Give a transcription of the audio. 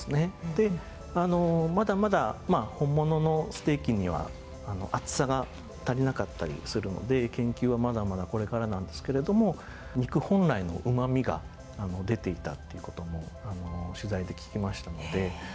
でまだまだ本物のステーキには厚さが足りなかったりするので研究はまだまだこれからなんですけれども肉本来のうまみが出ていたって事も取材で聞きましたので。